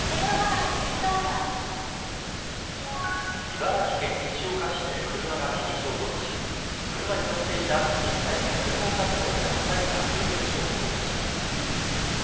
茨城県石岡市で車が木に衝突し車に乗っていた２０歳の専門学校生ら２人が重軽傷を負いました。